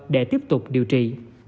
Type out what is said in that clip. để tiếp tục điều trị